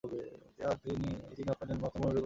আর তিমি আপনার জন্য মহত্তম পরিকল্পনা করে রেখেছেন।